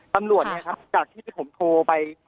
ตำรวจเนี่ยครับจากที่ผมโทรไป